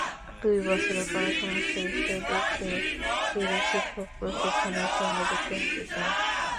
দুই বছরের পড়াশোনা শেষে দেশে ফিরে শিক্ষক প্রশিক্ষণের সঙ্গে যুক্ত হতে চান।